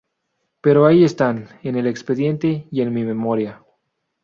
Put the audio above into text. Pero ahí están, en el expediente y en mi memoria".